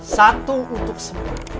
satu untuk semua